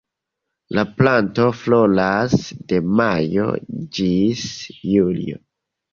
La planto floras de majo ĝis julio.